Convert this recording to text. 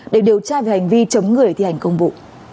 để điều tra về hành vi chống người thi hành công vụ